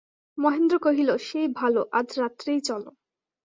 মহেন্দ্র কহিল, সেই ভালো, আজ রাত্রেই চলো।